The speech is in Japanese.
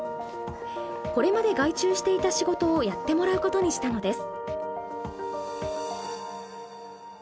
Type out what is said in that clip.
これまで外注していた仕事をやってもらうことにしたのです。